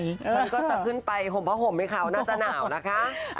คุณคนเขาจะขึ้นไปเฮมเพราะให้เขาน่าจะหนาวนะคะ